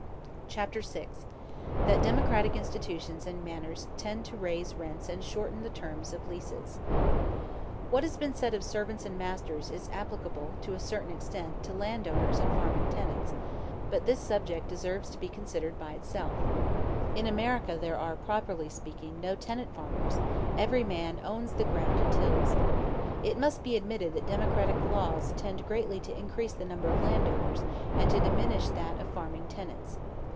Chapter VI: That Democratic Institutions And Manners Tend To Raise Rents And Shorten The Terms Of Leases What has been said of servants and masters is applicable, to a certain extent, to landowners and farming tenants; but this subject deserves to be considered by itself. In America there are, properly speaking, no tenant farmers; every man owns the ground he tills. It must be admitted that democratic laws tend greatly to increase the number of landowners, and to diminish that of farming tenants.